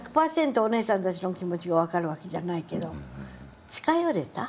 おねえさんたちの気持ちが分かるわけじゃないけど近寄れた。